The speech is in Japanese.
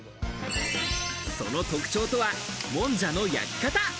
その特徴とはもんじゃの焼き方。